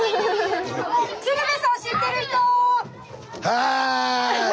はい！